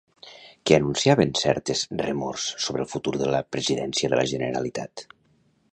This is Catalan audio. Què anunciaven certes remors sobre el futur de la presidència de la Generalitat?